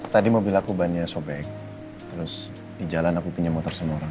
tadi mobil aku bannya sobek terus di jalan aku punya motor semua orang